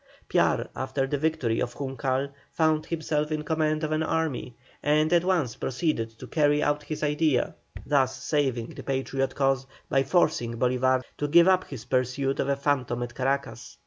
Piar, after the victory of Juncal, found himself in command of an army, and at once proceeded to carry out his idea, thus saving the Patriot cause by forcing Bolívar to give up his pursuit of a phantom at Caracas.